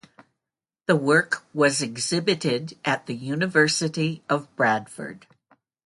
The work was exhibited at the University of Bradford.